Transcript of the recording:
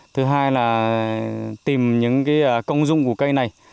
thứ hai là tìm những công dụng của cây này